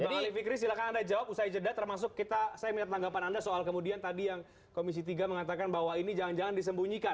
bang ali fikri silahkan anda jawab usai jeda termasuk saya minta tanggapan anda soal kemudian tadi yang komisi tiga mengatakan bahwa ini jangan jangan disembunyikan